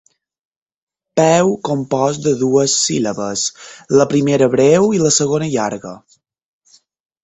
Peu compost de dues síl·labes, la primera breu i la segona llarga.